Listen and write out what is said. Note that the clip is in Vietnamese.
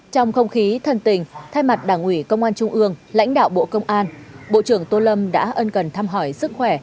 trong không khí thân tình thay mặt đảng ủy công an trung ương lãnh đạo bộ công an bộ trưởng tô lâm đã ân cần thăm hỏi sức khỏe